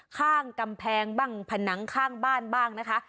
ข้างกำแพงบ้างผนังข้างบ้านบ้างนะคะ